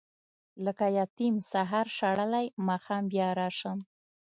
لکه یتیم سهار شړلی ماښام بیا راشم.